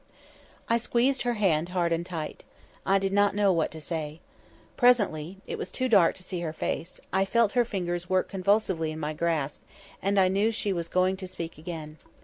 I squeezed her hand hard and tight. I did not know what to say. Presently (it was too dark to see her face) I felt her fingers work convulsively in my grasp; and I knew she was going to speak again.